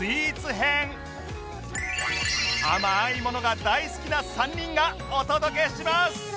甘いものが大好きな３人がお届けします！